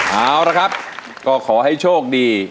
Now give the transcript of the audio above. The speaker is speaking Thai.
เอาละครับก็ขอให้โชคดี